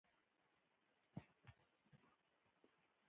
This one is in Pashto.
د پسرلي موسم د خوښۍ زېرى راوړي.